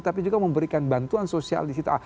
tapi juga memberikan bantuan sosial disitu